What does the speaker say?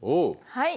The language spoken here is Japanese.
はい。